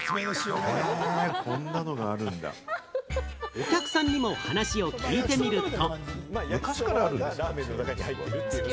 お客さんにも話を聞いてみると。